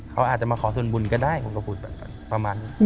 เขาอาจจะมาขอส่วนบุญก็ได้ผมก็พูดแบบประมาณนี้